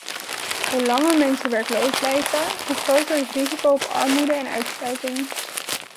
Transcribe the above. Hoe langer mensen werkloos blijven, hoe groter het risico op armoede en uitsluiting.